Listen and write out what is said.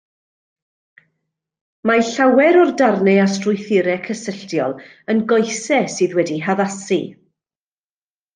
Mae llawer o'r darnau a strwythurau cysylltiol yn goesau sydd wedi eu haddasu.